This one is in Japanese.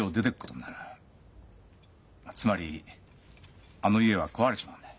まあつまりあの家は壊れちまうんだ。